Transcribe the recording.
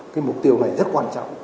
cái mục tiêu này rất quan trọng